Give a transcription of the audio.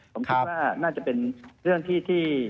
ผมคิดว่าน่าจะเป็นเรื่องที่